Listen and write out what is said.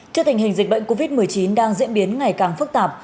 trước tình hình dịch bệnh covid một mươi chín đang diễn biến ngày càng phức tạp